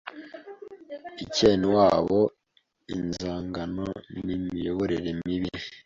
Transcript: icyenewabo, inzangano n’imiyoborere mibi